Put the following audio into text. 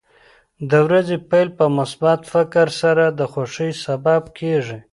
د ورځې پیل په مثبت فکر سره د خوښۍ سبب کېږي.